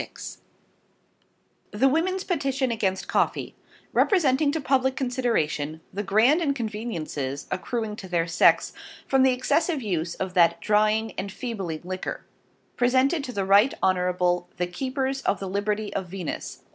<<Cover>> THE WOMEN'S PETITION AGAINST COFFEE REPRESENTING TO PUBLICK CONSIDERATION THE Grand INCONVENIENCIES accruing to their SEX from the Excessive Use of that Drying, Enfeebling LIQUOR. Presented to the Right Honorable the Keepers of the Liberty of VENUS.